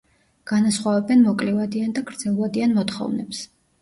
განასხვავებენ მოკლევადიან და გრძელვადიან მოთხოვნებს.